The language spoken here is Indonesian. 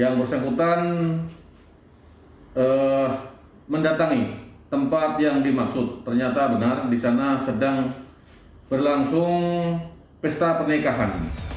yang bersangkutan mendatangi tempat yang dimaksud ternyata benar di sana sedang berlangsung pesta pernikahan